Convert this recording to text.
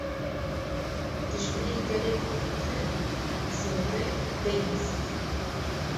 Dijminê gelê kurd pir in, zorbe û bêînsaf in.